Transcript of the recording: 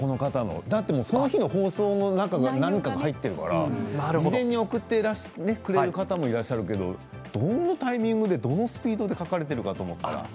だってその日の放送の中の何かが入っているから事前に送ってくれる方もいらっしゃるけどどのタイミングでどのスピードで描かれているのかなと思って。